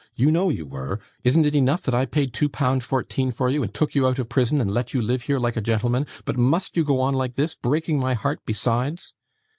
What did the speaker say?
You know you were! Isn't it enough that I paid two pound fourteen for you, and took you out of prison and let you live here like a gentleman, but must you go on like this: breaking my heart besides?